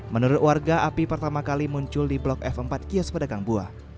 menurut warga api pertama kali muncul di blok f empat kios pedagang buah